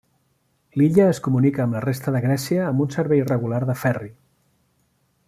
L'illa es comunica amb la resta de Grècia amb un servei regular de ferri.